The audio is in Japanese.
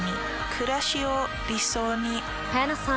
くらしを理想に。